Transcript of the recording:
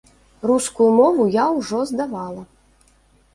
Рускую мову я ўжо здавала.